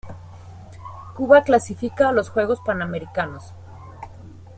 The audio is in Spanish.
Cuba clasifica a los Juegos Panamericanos